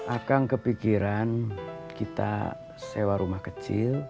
akan kepikiran kita sewa rumah kecil